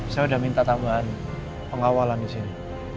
saya sudah minta tambahan pengawalan di sini